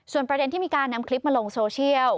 ประเด็นที่มีการนำคลิปมาลงโซเชียล